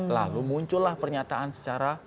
lalu muncullah pernyataan secara